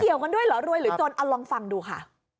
กันด้วยเหรอรวยหรือจนเอาลองฟังดูค่ะ